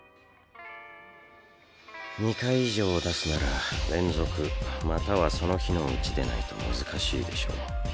２回以上出すなら連続またはその日のうちでないと難しいでしょう。